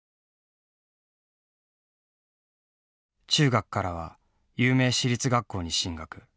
中学からは有名私立学校に進学。